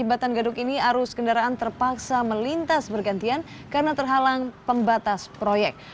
jembatan gadok ini arus kendaraan terpaksa melintas bergantian karena terhalang pembatas proyek